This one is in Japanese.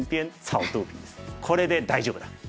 これで大丈夫だ！